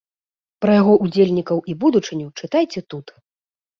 Пра яго ўдзельнікаў і будучыню чытайце тут!